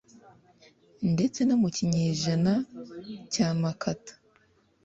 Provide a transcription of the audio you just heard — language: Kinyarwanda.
ndetse no mu kinyejana cya makata